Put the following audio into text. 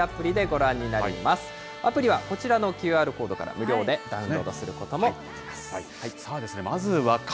アプリは、こちらのＱＲコードから無料でダウンロードすることもできます。